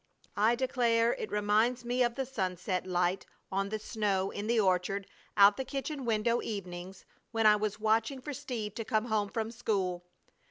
I declare it reminds me of the sunset light on the snow in the orchard out the kitchen window evenings when I was watching for Steve to come home from school.